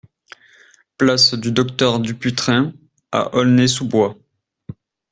Place du Docteur Dupuytren à Aulnay-sous-Bois